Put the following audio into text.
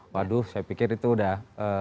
waduh saya pikir itu udah